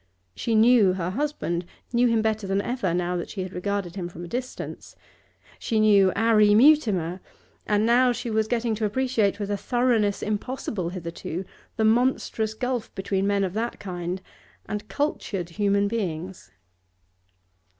She knew her husband, knew him better than ever now that she regarded him from a distance; she knew 'Arry Mutimer; and now she was getting to appreciate with a thoroughness impossible hitherto, the monstrous gulf between men of that kind and cultured human beings.